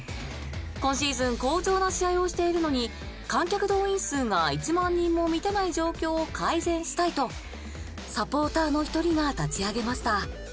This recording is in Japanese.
今シーズン好調な試合をしているのに観客動員数が１万人も満たない状況を改善したいとサポーターの一人が立ち上げました。